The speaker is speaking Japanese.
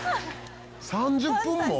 ３０分も？